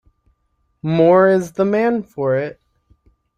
Moore is the man for it.